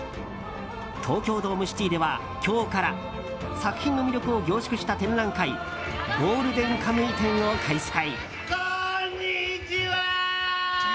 東京ドームシティでは今日から作品の魅力を凝縮した展覧会「ゴールデンカムイ展」を開催。